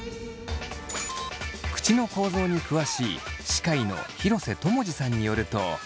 口の構造に詳しい歯科医の廣瀬知二さんによると。